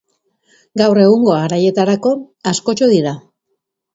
Gaur egungo garaietarako askotxo dira.